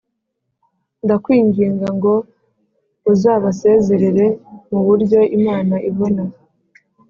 Ndakwinginga ngo uzabasezerere mu buryo Imana ibona